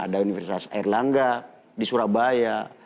ada universitas airlangga di surabaya